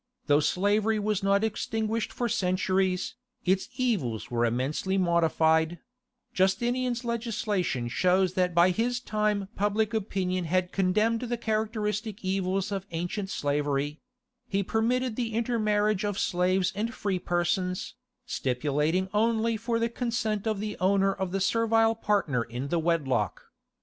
Though slavery was not extinguished for centuries, its evils were immensely modified; Justinian's legislation shows that by his time public opinion had condemned the characteristic evils of ancient slavery: he permitted the intermarriage of slaves and free persons, stipulating only for the consent of the owner of the servile partner in the wedlock.